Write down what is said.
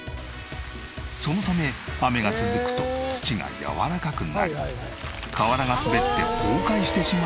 そのため雨が続くと土がやわらかくなり瓦が滑って崩壊してしまう恐れが。